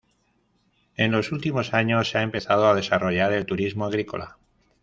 En los últimos años se ha empezado a desarrollar el turismo agrícola.